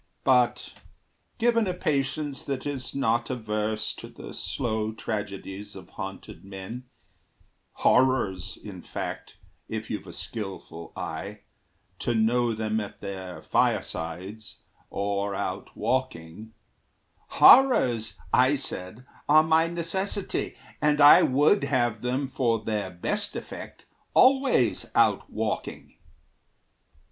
But given a patience that is not averse To the slow tragedies of haunted men Horrors, in fact, if you've a skilful eye To know them at their firesides, or out walking, " "Horrors," I said, "are my necessity; And I would have them, for their best effect, Always out walking."